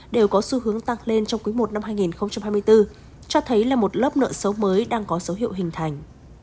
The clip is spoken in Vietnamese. đều có xu hướng tăng lên trong cuối một năm hai nghìn hai mươi bốn cho thấy là một lớp nợ xấu mới đang có số hiệu hình thành